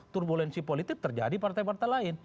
turbulensi politik terjadi partai partai lain